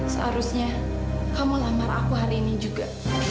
seharusnya kamu lamar aku hari ini juga